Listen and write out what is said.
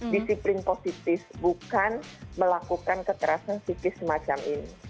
disiplin positif bukan melakukan kekerasan psikis semacam ini